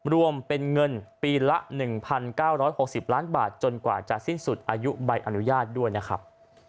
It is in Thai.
รวมเป็นเงินปีละ๑๙๖๐ล้านบาทจนกว่าจะสิ้นสุดอายุใบอนุญาตด้วยนะครับ